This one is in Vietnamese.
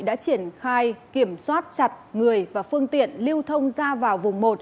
đã triển khai kiểm soát chặt người và phương tiện lưu thông ra vào vùng một